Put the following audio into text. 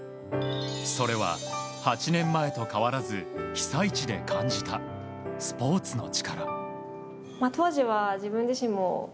それは８年前と変わらず被災地で感じたスポーツの力。